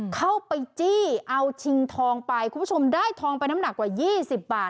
เข้าไปจี้เอาชิงทองไปคุณผู้ชมได้ทองไปน้ำหนักกว่า๒๐บาท